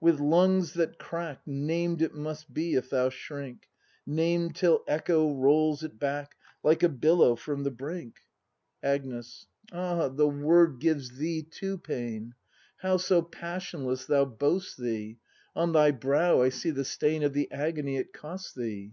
With lungs that crack. Named it must be, if thou shrink — Named, till echo rolls it back. Like a billow from the brink. 156 BRAND [act iv Agnes. Ah! The word gives thee, too, pain. How so passionless thou boast thee! On thy brow I see the stain Of the agony it cost thee!